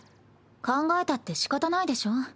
考えたってしかたないでしょ。